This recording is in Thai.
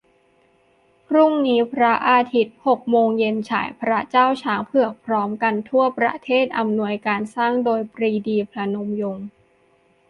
พรุ่งนี้ อาทิตย์ หกโมงเย็น ฉาย "พระเจ้าช้างเผือก" พร้อมกันทั่วประเทศ อำนวยการสร้างโดย ปรีดี พนมยงค์